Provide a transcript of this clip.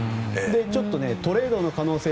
ちょっとトレードの可能性